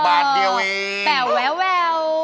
แปลวแววแวว